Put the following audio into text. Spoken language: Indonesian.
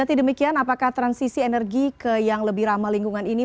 berarti demikian apakah transisi energi ke yang lebih ramah lingkungan ini